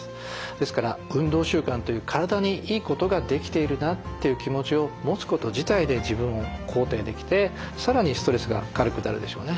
ですから運動習慣という体にいいことができているなっていう気持ちを持つこと自体で自分を肯定できてさらにストレスが軽くなるでしょうね。